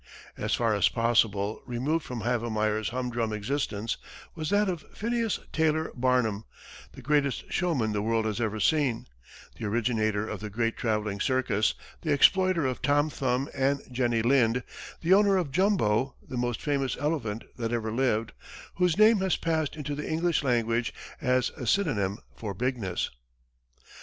As far as possible removed from Havemeyer's humdrum existence was that of Phineas Taylor Barnum, the greatest showman the world has ever seen, the originator of the great travelling circus, the exploiter of Tom Thumb and Jenny Lind, the owner of Jumbo, the most famous elephant that ever lived, whose name has passed into the English language as a synonym for bigness.